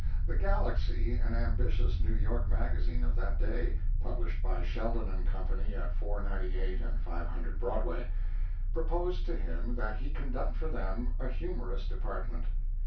The Galaxy, an ambitious New York magazine of that day [published by Sheldon & Co. at 498 and 500 Broadway] proposed to him that he conduct for them a humorous department.